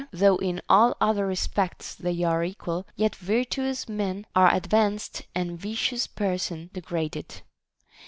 21 though in all other respects they are equal, yet virtuous men are advanced and vicious persons degraded.